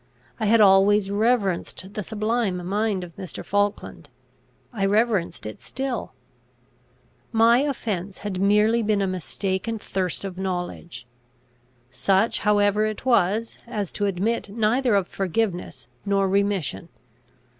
I had always reverenced the sublime mind of Mr. Falkland; I reverenced it still. My offence had merely been a mistaken thirst of knowledge. Such however it was, as to admit neither of forgiveness nor remission.